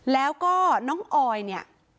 แล้วก็น้องออยเนี่ย